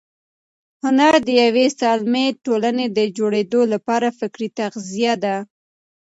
هنر د یوې سالمې ټولنې د جوړېدو لپاره فکري تغذیه ده.